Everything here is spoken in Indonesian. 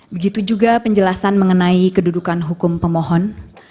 begitu juga penjelasan mengenai kedudukan hukum pemohon